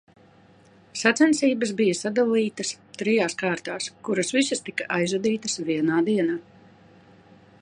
Sacensības bija sadalītas trijās kārtās, kuras visas tika aizvadītas vienā dienā.